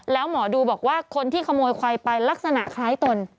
แล้วหมอดูบอกว่าคนที่ขโมยควายไปลักษณะคล้ายตน